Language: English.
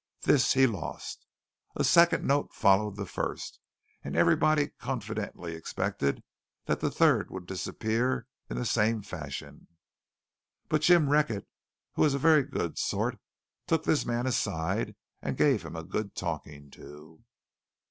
This he lost. A second note followed the first; and everybody confidently expected that the third would disappear in the same fashion. But Jim Reckett, who was a very good sort, took this man aside, and gave him a good talking to.